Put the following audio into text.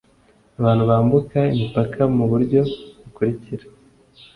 Abantu bambuka imipaka mu buryo bukurikira